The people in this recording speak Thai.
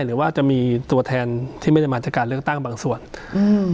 หรือว่าจะมีตัวแทนที่ไม่ได้มาจากการเลือกตั้งบางส่วนอืม